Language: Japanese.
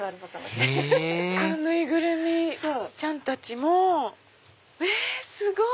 へぇこの縫いぐるみちゃんたちもえすごい！